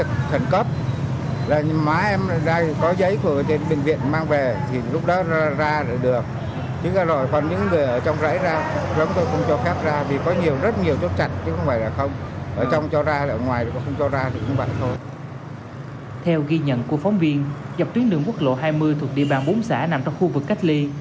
theo ghi nhận của phóng viên dọc tuyến đường quốc lộ hai mươi thuộc địa bàn bốn xã nằm trong khu vực cách ly